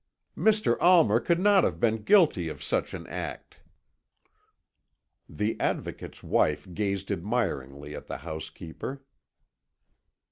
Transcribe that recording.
"Mr. Almer could not have been guilty of such an act." The Advocate's wife gazed admiringly at the housekeeper.